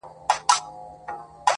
تاسو په درد مه كوئ,